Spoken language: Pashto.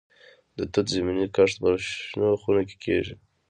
د توت زمینی کښت په شنو خونو کې کیږي.